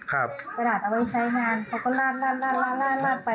ครับกระดาษเอาไว้ใช้งานเขาก็ลาดลาดลาดลาดลาดไป